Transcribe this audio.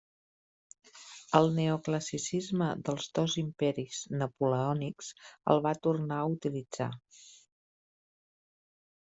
El neoclassicisme dels dos imperis napoleònics el va tornar a utilitzar.